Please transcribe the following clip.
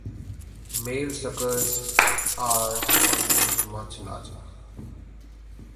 Males suckers are also much larger.